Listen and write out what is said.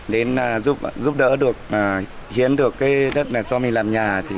đến giúp đỡ được hiến được cái đất này cho mình làm nhà